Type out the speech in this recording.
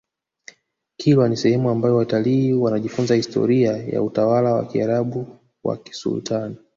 kilwa ni sehemu ambayo watalii wanajifunza historia ya utawala wa kiarabu wa kisultani